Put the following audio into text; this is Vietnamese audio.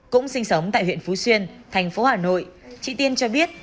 cũng sinh sống tại huyện phú xuyên thành phố hà nội chị tiên cho biết